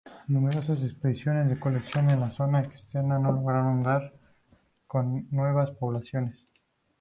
Numerosas expediciones de colección en la zona extensa no lograron dar con nuevas poblaciones.